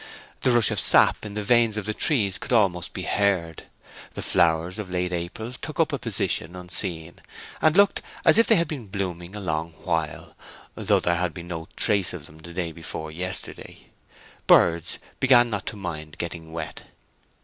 The rush of sap in the veins of the trees could almost be heard. The flowers of late April took up a position unseen, and looked as if they had been blooming a long while, though there had been no trace of them the day before yesterday; birds began not to mind getting wet.